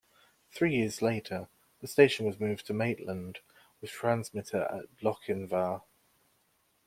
Three years later, the station was moved to Maitland, with transmitter at Lochinvar.